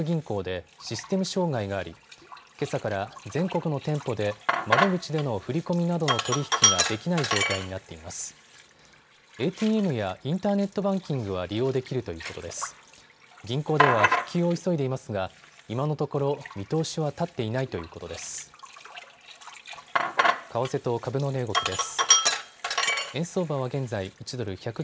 銀行では復旧を急いでいますが今のところ見通しは立っていないということです。